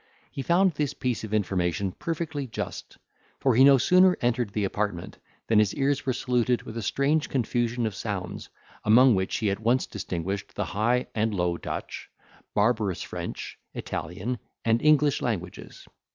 He found this piece of information perfectly just; for he no sooner entered the apartment, than his ears were saluted with a strange confusion of sounds, among which he at once distinguished the High and Low Dutch, barbarous French, Italian, and English languages.